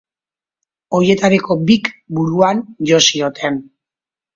Horietako bik, buruan jo zioten.